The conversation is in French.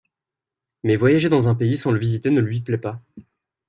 Mais voyager dans un pays sans le visiter ne lui plaît pas.